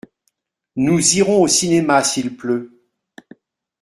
Nous irons au cinéma s’il pleut.